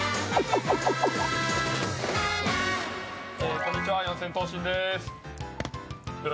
こんにちは四千頭身です。